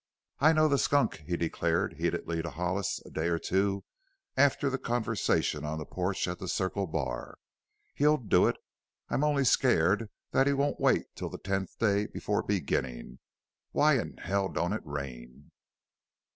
"I know the skunk!" he declared heatedly to Hollis a day or two after the conversation on the porch at the Circle Bar. "He'll do it. I'm only scared that he won't wait till the tenth day before beginnin'. Why in hell don't it rain?"